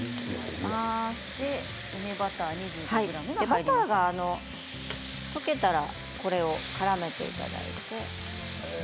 バターが溶けたら、これをからめていただいて。